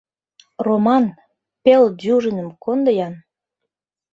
Роман, пел дюжиным кондо-ян!